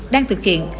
đang thực hiện